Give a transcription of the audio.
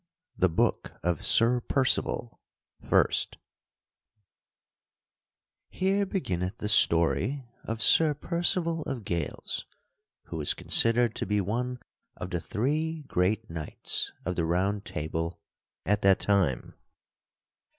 The Book of Sir Percival _Here beginneth the story of Sir Percival of Gales, who was considered to be one of the three great knights of the Round Table at that time.